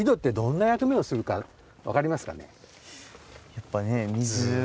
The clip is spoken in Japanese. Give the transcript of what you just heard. やっぱね水。